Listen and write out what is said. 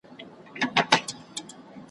په دې ویاله کي دي اوبه تللي ,